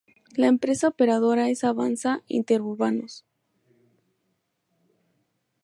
La empresa operadora es Avanza Interurbanos